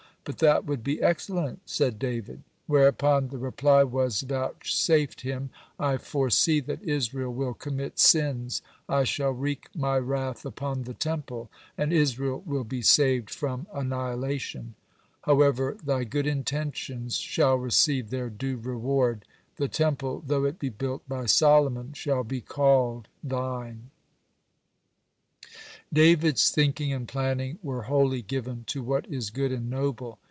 "But that would be excellent," said David. Whereupon the reply was vouchsafed him: "I foresee that Israel will commit sins. I shall wreak My wrath upon the Temple, and Israel will be saved from annihilation. However, thy good intentions shall receive their due reward. The Temple, though it be built by Solomon, shall be called thine." (89) David's thinking and planning were wholly given to what is good and noble.